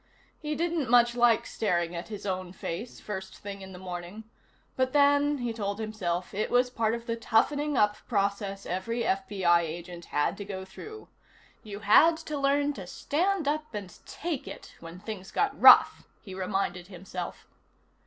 He didn't much like staring at his own face, first thing in the morning, but then, he told himself, it was part of the toughening up process every FBI agent had to go through. You had to learn to stand up and take it when things got rough, he reminded himself.